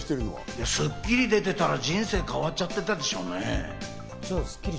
『スッキリ』出てたら人生変わっちゃってたでしょうね。